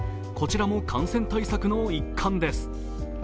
こちらも感染対策の一環です。